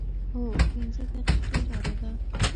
هو، پنځه دقیقې لاره ده